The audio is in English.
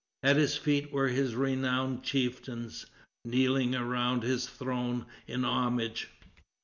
At his feet were his renowned chieftains, kneeling around his throne in homage.